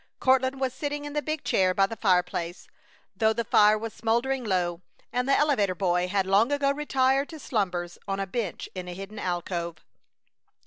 Courtland was sitting in the big chair before the fireplace, though the fire was smoldering low, and the elevator boy had long ago retired to slumbers on a bench in a hidden alcove.